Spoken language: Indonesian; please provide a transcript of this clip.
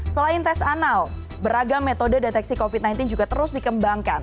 selain tes anal beragam metode deteksi covid sembilan belas juga terus dikembangkan